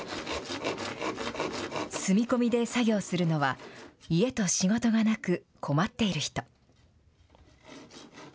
住み込みで作業するのは、家と仕事がなく、困っている人。